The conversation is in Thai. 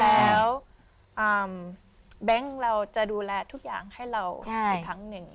แล้วแบงค์เราจะดูแลทุกอย่างให้เราอีกครั้งหนึ่ง